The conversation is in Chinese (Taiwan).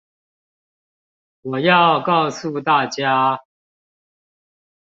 我要告訴大家